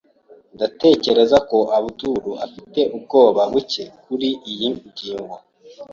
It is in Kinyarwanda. Ndatekereza ko Abdul afite ubwoba buke kuriyi ngingo.